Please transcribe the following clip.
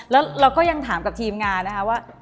แล้วเราก็ยังถามกับทีมงานนะคะว่า